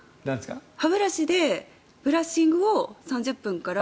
歯ブラシでブラッシングを３０分から。